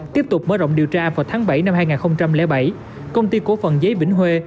tiếp tục mở rộng điều tra vào tháng bảy năm hai nghìn bảy công ty cổ phần giấy vĩnh huê